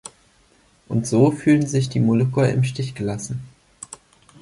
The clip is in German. Und so fühlen sich die Molukker im Stich gelassen.